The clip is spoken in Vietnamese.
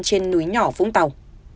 trên núi nhỏ vũng tàu